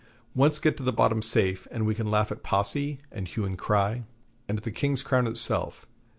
Once get to the bottom safe, and we can laugh at Posse, and hue and cry, and at the King's Crown itself.